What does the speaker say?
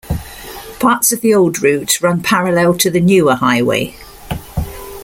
Parts of the old route run parallel to the newer highway.